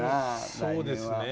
そうですね。